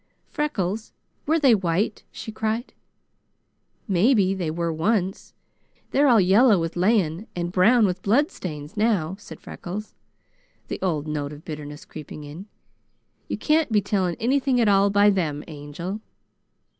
"Freckles! Were they white?" she cried. "Maybe they were once. They're all yellow with laying, and brown with blood stains now" said Freckles, the old note of bitterness creeping in. "You can't be telling anything at all by them, Angel!"